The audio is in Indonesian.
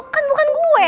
kan bukan gue